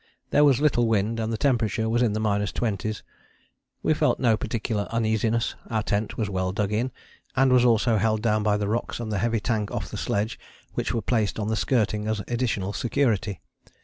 There was little wind and the temperature was in the minus twenties. We felt no particular uneasiness. Our tent was well dug in, and was also held down by rocks and the heavy tank off the sledge which were placed on the skirting as additional security.